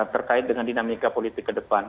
terkait dengan dinamika politik kedepan